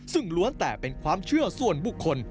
ซึ่งล้วนแต่เป็นความเชื่อส่วนบุคคล